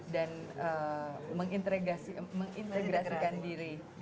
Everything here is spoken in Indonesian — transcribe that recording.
dan mengintegrasikan diri